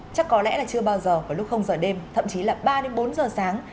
chắc có lẽ là chưa bao giờ vào lúc giờ đêm thậm chí là ba đến bốn giờ sáng